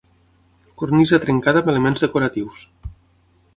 Cornisa trencada amb elements decoratius.